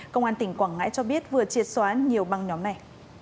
công an tỉnh quảng ngãi cho biết vừa triệt xóa nhiều băng nhóm này